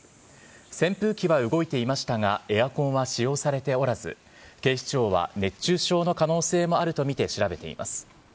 扇風機は動いていましたが、エアコンは使用されておらず、警視庁は熱中症の可能性もあると見て調べています。